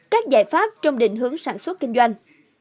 các giải pháp trong định hướng sản xuất kinh doanh